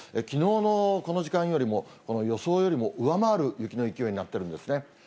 きのうのこの時間よりも、予想よりも上回る雪の勢いになってるんですね。